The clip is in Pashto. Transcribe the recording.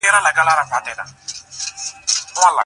د تلویزون رڼا په تیاره کوټه کې د هیلې پر مخ لګېدله.